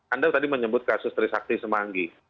anda tadi menyebut kasus trisakti semanggi